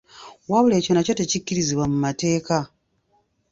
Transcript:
Wabula ekyo nakyo tekikkirizibwa mu mateeka.